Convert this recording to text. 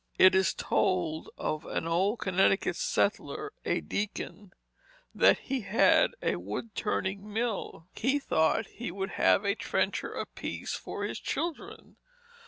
It is told of an old Connecticut settler, a deacon, that as he had a wood turning mill, he thought he would have a trencher apiece for his children.